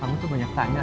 kamu tuh banyak tanya ya